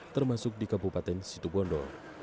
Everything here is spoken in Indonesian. termasuk di kabupaten situ bondo